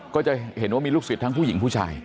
ก็จะเห็นว่ามีลูกศิษย์ทั้งผู้หญิงผู้ชาย